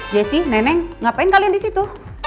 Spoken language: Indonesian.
jesse neneng ngapain kalian disitu